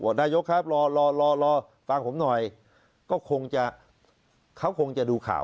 นายกครับรอรอฟังผมหน่อยก็คงจะเขาคงจะดูข่าว